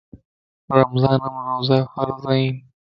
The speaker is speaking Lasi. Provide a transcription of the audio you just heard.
رمضان مَ روزا فرض ائين